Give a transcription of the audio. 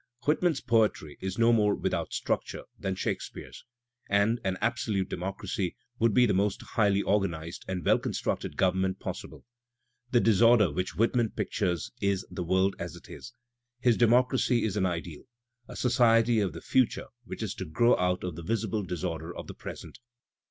Whitman's poetry is no more without structure than Shakespeare's; and "an absolute democracy" would be the V most highly organized and well constructed government possible. The disorder which Whitman pictures is the world as it is; his democracy is an ideal, a society of the future which is to grow out of the visible disorder of the present.